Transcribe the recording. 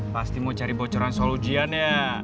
pasti mau cari bocoran soal ujian ya